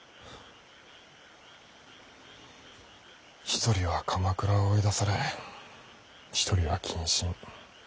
一人は鎌倉を追い出され一人は謹慎。